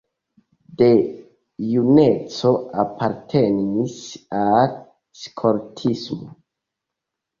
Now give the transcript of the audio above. De juneco apartenis al skoltismo.